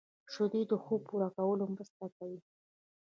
شیدې د خوب پوره کولو مرسته کوي